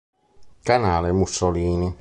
Canale Mussolini.